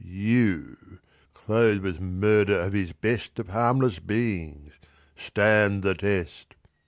You clothed with murder of his best Of harmless beings stand the test!